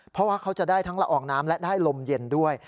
เพราะว่าเขาจะได้ทั้งละอองน้ำและได้ลมเย็นด้วย